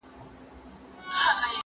زه پرون ونې ته اوبه ورکوم؟!